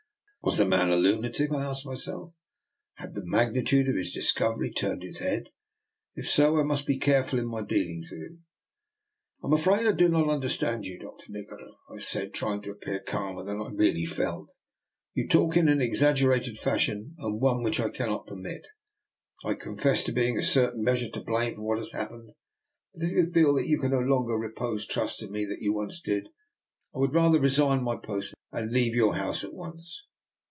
Was the man a lunatic? I asked myself; had the magnitude of his dis covery turned his head? If so, I must be careful in my dealings with him. *' I am afraid I do not understand you, Dr. Nikola,'' I said, trying to appear calmer than I really felt. " You talk in an exaggerated fashion, and one which I cannot permit. I confess to being in a certain measure to blame for what has happened; but if you feel that you can no longer repose the trust in me that you once did, I would rather resign my post with you, and leave your house at once."